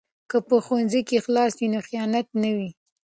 که په ښوونځي کې اخلاص وي نو خیانت نه وي.